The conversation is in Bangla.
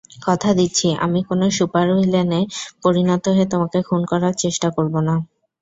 কথা দিচ্ছি, আমি কোনো সুপারভিলেনে পরিণত হয়ে তোমাকে খুন করার চেষ্টা করবো না।